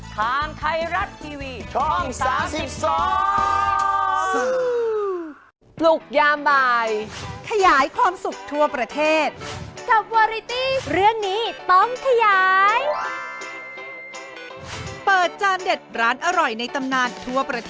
ทางไทยรัฐทีวีช่อง๓๒